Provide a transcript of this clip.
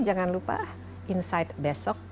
jangan lupa insight best